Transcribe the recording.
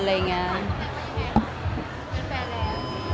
เป็นแฟนแล้ว